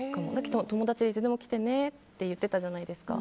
友達にいつでも来てねって言ってたじゃないですか。